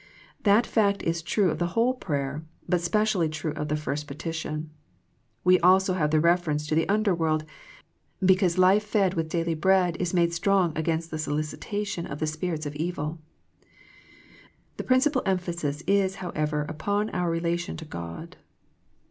That fact is true of the whole prayer, but specially true of the first petition. We have also the ref erence to the under world, because life fed with daily bread is made strong against the solicita tion of the spirits of evil. The principal em phasis is, however, upon our relation to God.